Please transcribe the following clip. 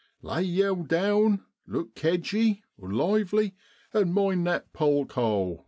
Lay yow down, look kedgey ! (lively), and mind that pulk hole !